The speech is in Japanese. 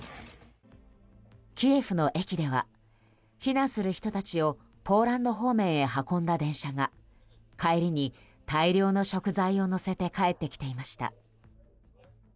キエフの駅では避難する人たちをポーランド方面へ運んだ電車が帰りに大量の食材を載せて帰ってきていました。